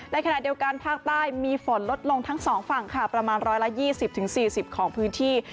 ในขณะเดียวกันภาคใต้มีฝนลดลงทั้งสองฝั่งค่ะประมาณร้อยละยี่สิบถึงสี่สิบของพื้นที่